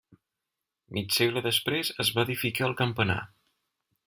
Mig segle després es va edificar el campanar.